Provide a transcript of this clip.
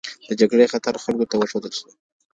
د جګړې خطر خلکو ته وښودل شو.